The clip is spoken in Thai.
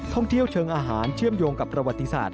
ท่องเที่ยวเชิงอาหารเชื่อมโยงกับประวัติศาสต